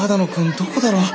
どこだろ？